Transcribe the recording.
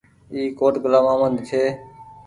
اي ڪوٽ گلآم مهمد ڇي۔